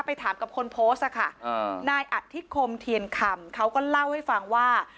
ถามกับคนโพสต์ค่ะนายอธิคมเทียนคำเขาก็เล่าให้ฟังว่า